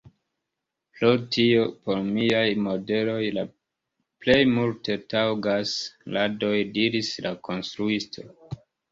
Pro tio por miaj modeloj plej multe taŭgas radoj, diris la konstruisto.